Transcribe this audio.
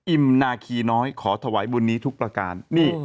นาคีน้อยขอถวายบุญนี้ทุกประการ